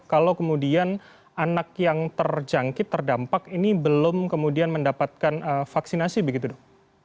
kalau kemudian anak yang terjangkit terdampak ini belum kemudian mendapatkan vaksinasi begitu dok